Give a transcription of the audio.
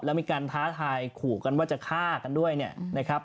แล้วมีการท้าทายขู่กันว่าจะฆ่ากันด้วยเนี่ยนะครับ